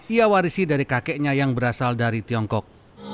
ia warisi dari kakeknya yang berasal dari tiongkok